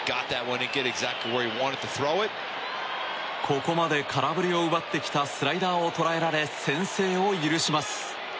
ここまで空振りを奪ってきたスライダーを捉えられ先制を許します。